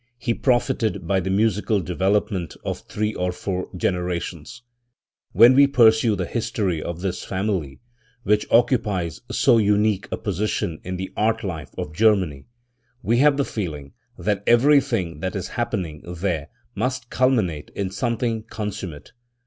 He profited by the musical development of three or four generations. When we pursue the history oC this family, which occupies so unique a position in the art life of Germany, we have the feeling that everything that is happening there must culminate in something consum mate.